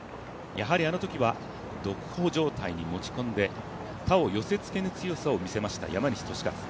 やはりあのときは独歩状態に持ち込んで他を寄せつけぬ強さをみせました山西利和。